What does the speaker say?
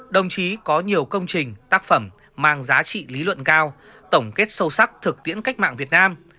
đồng chí có nhiều công trình tác phẩm mang giá trị lý luận cao tổng kết sâu sắc thực tiễn cách mạng việt nam